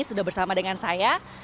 sudah bersama dengan saya